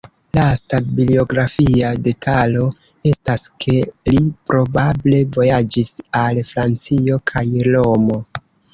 Lasta biografia detalo estas, ke li probable vojaĝis al Francio kaj Romo.